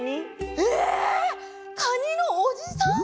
えっカニのおじさん！？